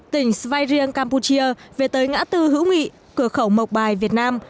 tỉnh sveirien campuchia về tới ngã tư hữu nghị cửa khẩu mộc bài việt nam